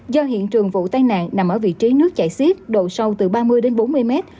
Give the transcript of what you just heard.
do hiện trường vụ tai nạn nằm ở vị trí nước chảy xiết độ sâu từ ba mươi đến bốn mươi mét